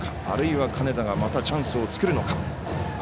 あるいは金田がまたチャンスを作るのか。